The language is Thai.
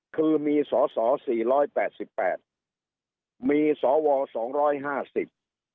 คือมีสอสอสี่ร้อยแปดสิบแปดมีสอวอสองร้อยห้าสิบ